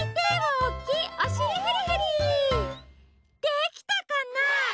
できたかな？